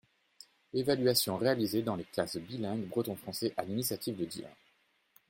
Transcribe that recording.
Évaluation réalisée dans les classes bilingues breton-français à l’initiative de Dihun.